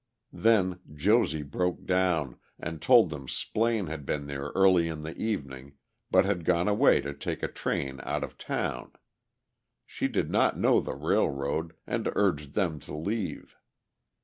Then Josie broke down, and told them Splaine had been there early in the evening, but had gone away to take a train out of town. She did not know the railroad, and urged them to leave.